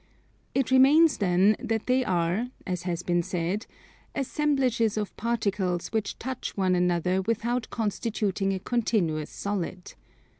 It remains then that they are, as has been said, assemblages of particles which touch one another without constituting a continuous solid.